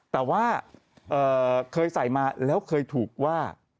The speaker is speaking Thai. แต่ว่าเคยใส่มาแล้วเคยถูกว่า